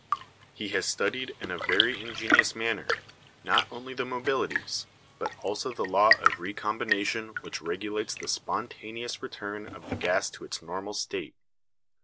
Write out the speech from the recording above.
He has studied in a very ingenious manner, not only the mobilities, but also the law of recombination which regulates the spontaneous return of the gas to its normal state.